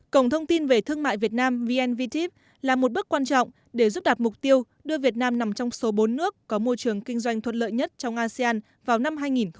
cổng thông tin về thương mại việt nam vnvt là một bước quan trọng để giúp đạt mục tiêu đưa việt nam nằm trong số bốn nước có môi trường kinh doanh thuận lợi nhất trong asean vào năm hai nghìn hai mươi